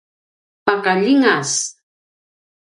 paka ljingas